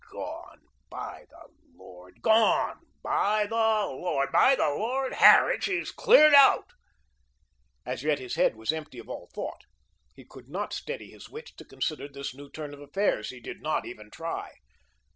"Gone, by the Lord. Gone, by the Lord. By the Lord Harry, she's cleared out." As yet his head was empty of all thought. He could not steady his wits to consider this new turn of affairs. He did not even try.